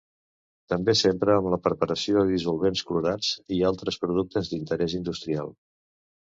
També s'empra en la preparació de dissolvents clorats i altres productes d'interès industrial.